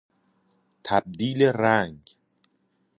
تبدیل رنگ